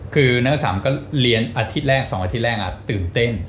คือนักสามก็เรียนอาทิตย์แรก๒อาทิตย์แรกตื่นเต้น